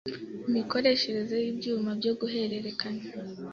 Imikoreshereze y ibyuma byo guhererekanya